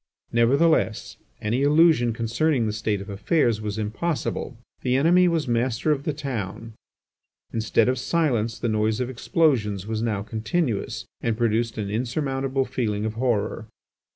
Nevertheless, any illusion concerning the state of affairs was impossible. The enemy was master of the town. Instead of silence the noise of explosions was now continuous and produced an insurmountable feeling of horror.